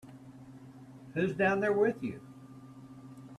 Who's down there with you?